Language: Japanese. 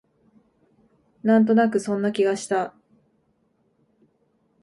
なんとなくそんな気がした